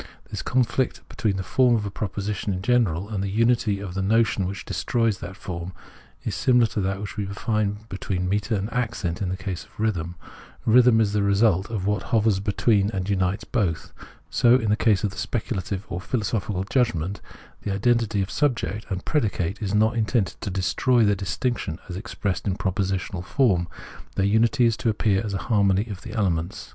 This conflict between the form of a proposition in general and the unity of the notion which destroys that form, is similar to what we find between metre and accent in the case of rhythm. Rhythm is the result of what hovers between and unites both. So in the case of the speculative or philosophical judg ment ; the identity of subject and predicate is not intended to destroy their distinction, as expressed in propositional form ; their unity is to appear as a harmony of the elements.